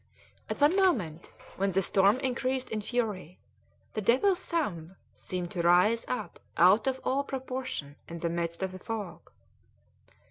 At one moment, when the storm increased in fury, the Devil's Thumb seemed to rise up out of all proportion in the midst of the fog.